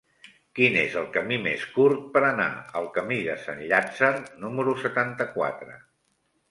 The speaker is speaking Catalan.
Quin és el camí més curt per anar al camí de Sant Llàtzer número setanta-quatre?